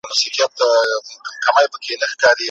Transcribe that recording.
دا زموږ جونګړه بورجل مه ورانوی